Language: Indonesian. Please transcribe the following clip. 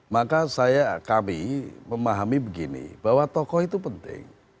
maka kami memahami begini bahwa tokoh itu penting